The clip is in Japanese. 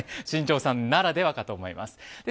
新庄さんならではかと思います。